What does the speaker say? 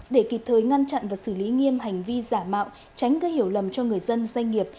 để kịp thời ngăn chặn và xử lý nghiêm hành vi giả mạo tránh gây hiểu lầm cho người dân doanh nghiệp